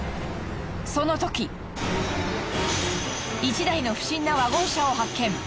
そのとき１台の不審なワゴン車を発見。